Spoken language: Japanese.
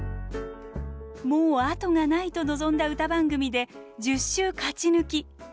もう後がないと臨んだ歌番組で１０週勝ち抜き。